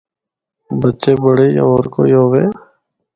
بچے، بڑے یا ہور کوئی ہوّے۔